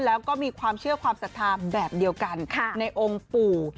แล้วก็มีความเชื่อความศรัทธาแบบเดียวกันในองค์ปู่